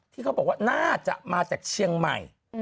ที่เขาบอกว่าน่าจะมาจากเชียงใหม่